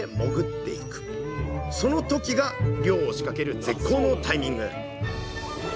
その時が漁を仕掛ける絶好のタイミング